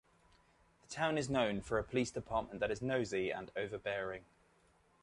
The town is known for a police department that is nosy and overbearing.